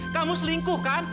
kamu selingkuh kan